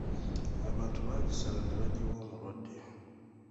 Abantu baagisala nebagyiwa omulwadde.